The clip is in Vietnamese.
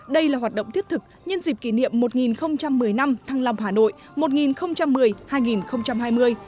đây là hoạt động thiết thực nhân dịp kỷ niệm một nghìn một mươi năm thăng long hà nội một nghìn một mươi hai nghìn hai mươi